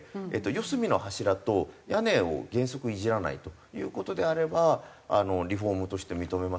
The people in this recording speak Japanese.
四隅の柱と屋根を原則いじらないという事であればリフォームとして認めますよ。